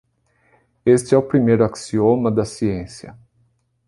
Este é o primeiro axioma da ciência.